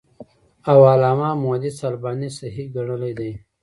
او علامه محدِّث الباني صحيح ګڼلی دی .